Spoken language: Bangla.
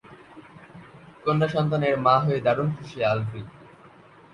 কন্যাসন্তানের মা হয়ে দারুণ খুশি আলভি।